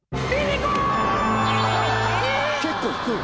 結構低い。